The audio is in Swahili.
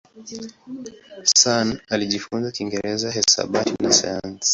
Sun alijifunza Kiingereza, hisabati na sayansi.